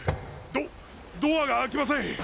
ドドアが開きません！